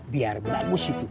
biar bagus itu